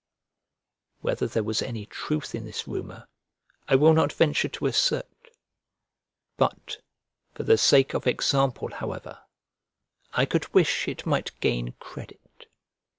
Whether there was any truth in this rumour, I will not venture to assert; but, for the sake of example, however, I could wish it might gain credit.